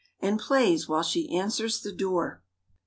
And plays—while she answers the door.